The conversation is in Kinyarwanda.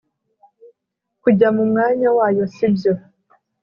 kujya mu mwanya wayo sibyo